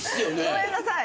ごめんなさい。